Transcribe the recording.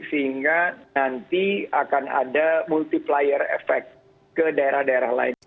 sehingga nanti akan ada multiplier effect ke daerah daerah lain